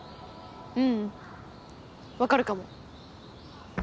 ううんわかるかも。